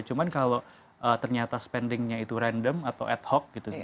cuma kalau ternyata spendingnya itu random atau ad hoc gitu